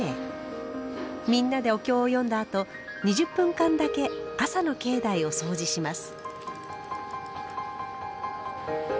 みんなでお経を読んだあと２０分間だけ朝の境内をそうじします。